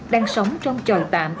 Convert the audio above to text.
đang sống trong tròi tạm